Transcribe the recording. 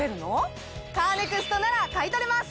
カーネクストなら買い取れます！